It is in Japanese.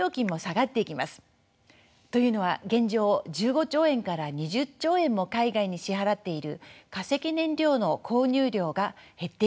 というのは現状１５兆円から２０兆円も海外に支払っている化石燃料の購入料が減っていくからです。